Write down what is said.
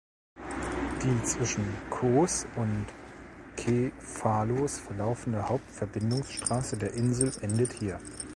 Die zwischen Kos und Kefalos verlaufende Hauptverbindungsstraße der Insel endet hier.